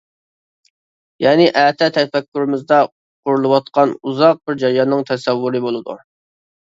يەنى «ئەتە» تەپەككۇرىمىزدا قۇرۇلۇۋاتقان ئۇزاق بىر جەرياننىڭ تەسەۋۋۇرى بولىدۇ.